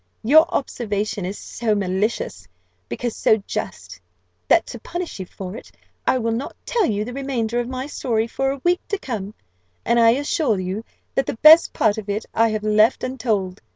Your observation is so malicious, because so just, that to punish you for it, I will not tell you the remainder of my story for a week to come; and I assure you that the best part of it I have left untold.